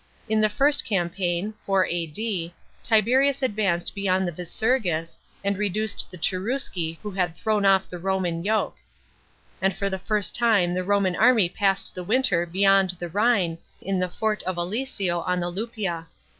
In his first campaign (4 A.D.) Tiberius advances beyond the Visurgis, and reduced the Cherusci who had thrown off the Roman yoke; and for the first time the Koman army passed the winter beyond the Rhine in the fort of Aliso on the Luppia.